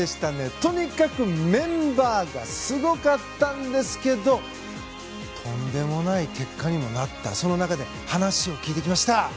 とにかくメンバーがすごかったんですけどとんでもない結果になったその中で話を聞いてきました。